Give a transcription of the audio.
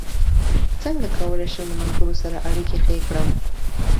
څنګه کولی شم د ملګرو سره اړیکې ښې کړم